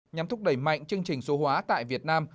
nhằm thúc đẩy mạnh chương trình số hóa tại việt nam